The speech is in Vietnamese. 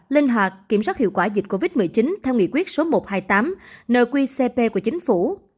linh hoạt kiểm soát hiệu quả dịch covid một mươi chín theo nghị quyết số một trăm hai mươi tám nợ quy cp của chính phủ